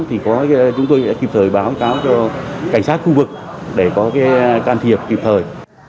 thì chúng tôi sẽ kịp thời báo cáo cho cảnh sát khu vực để có cái can thiệp kịp thời